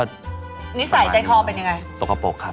นิสัยใจคอเป็นยังไงสกปรกครับ